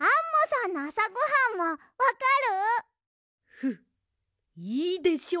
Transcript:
フッいいでしょう！